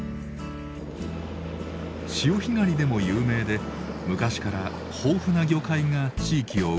潮干狩りでも有名で昔から豊富な魚介が地域を潤してきました。